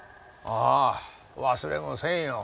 ああ忘れもせんよ。